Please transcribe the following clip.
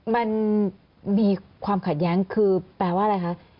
มันมีความขัดแย้งคือแปลว่าอะไรคะ